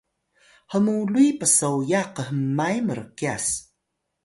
hmuluy psoya khmay mrkyas